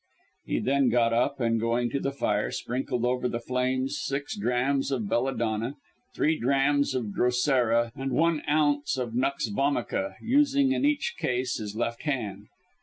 He then got up and, going to the fire, sprinkled over the flames six drachms of belladonna, three drachms of drosera and one ounce of nux vomica; using in each case his left hand.